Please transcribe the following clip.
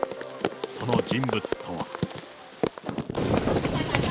その人物とは。